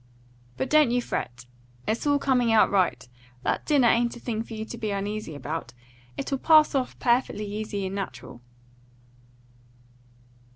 But don't you fret! It's all coming out right. That dinner ain't a thing for you to be uneasy about. It'll pass off perfectly easy and natural."